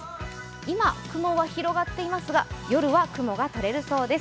今、雲は広がっていますが、夜は雲がとれるそうです。